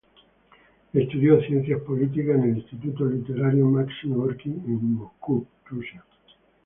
Estudió ciencias políticas en el Instituto Literario Maxim Gorky, en Moscú, Rusia.